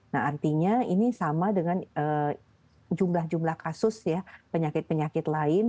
nah artinya ini sama dengan jumlah jumlah kasus ya penyakit penyakit lain